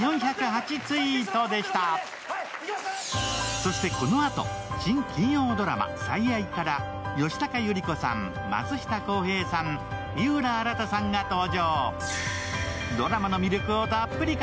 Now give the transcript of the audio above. そしてこのあと、新金曜ドラマ、「最愛」から吉高由里子さん、松下洸平さん、井浦新さんが登場。